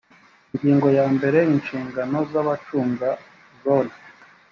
ingingo ya mbere inshingano z abacunga zone